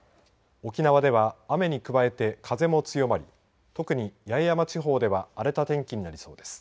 沖縄では雨に加えて風も強まり特に八重山地方では荒れた天気になりそうです。